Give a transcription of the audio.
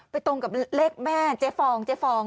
ไปตรงกับเลขแม่เจฟอง